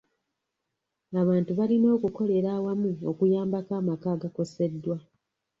Abantu balina okukolera awamu okuyambako amaka agakoseddwa.